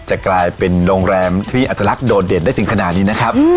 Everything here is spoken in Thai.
จะกลายเป็นโรงแรมที่อาจจะรักโดดเด่นได้สิ่งขนาดนี้นะครับ